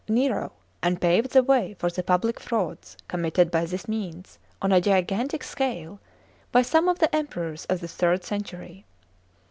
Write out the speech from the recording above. Nero, and paved the way for the public frauds committed by this means, on a gigantic scale, by some of the Emperors of the third century.